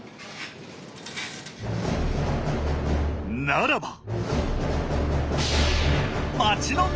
ならば！